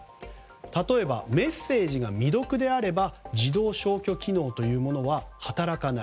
例えばメッセージが未読であれば自動消去機能というものは働かない。